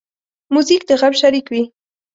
موزیک د غم شریک وي.